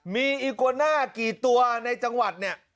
มีอีโกน่ากี่ตัวในจังหวัดเนี่ย